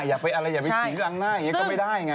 อย่าไปอะไรอย่าไปทิ้งล้างหน้าอย่างนี้ก็ไม่ได้ไง